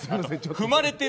踏まれてる！